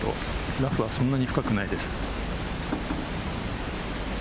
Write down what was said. ラフはそんなに深くないです。